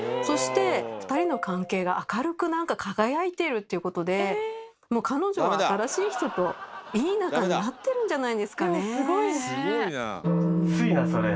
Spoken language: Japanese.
そして二人の関係が明るく何か輝いているっていうことでもう彼女は新しい人といい仲になってるんじゃないんですかね。